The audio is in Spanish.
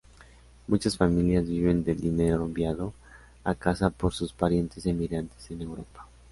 Muchas familias viven del dinero enviado a casa por sus parientes emigrantes en Europa.